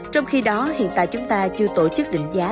trong khi đó hiện tại chúng ta chưa tổ chức định giá